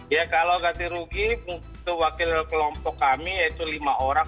ya kalau ganti rugi untuk wakil kelompok kami yaitu lima orang